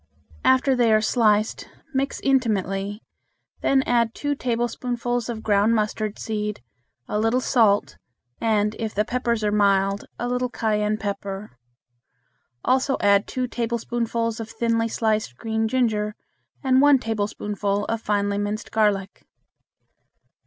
After they are sliced mix intimately, then add two tablespoonfuls of ground mustard seed, a little salt, and, if the peppers are mild, a little cayenne pepper; also add two tablespoonfuls of thinly sliced green ginger and one tablespoonful of finely minced garlic.